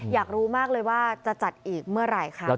อยากรู้มากเลยว่าจะจัดอีกเมื่อไหร่คะ